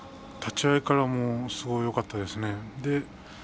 立ち合いからすごくよかったですね。